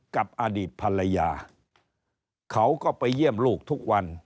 กับอดีตภรรยาเขาก็ไปเยี่ยมลูกทุกวัน